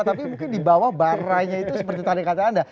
tapi mungkin di bawah barainya itu seperti tadi kata anda